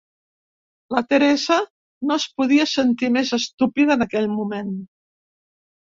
La Theresa no es podia sentir més estúpida en aquell moment.